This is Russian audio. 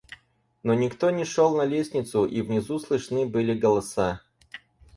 Но никто не шел на лестницу, и внизу слышны были голоса.